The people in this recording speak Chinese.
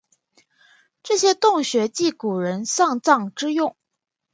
这些洞穴即古人丧葬之用。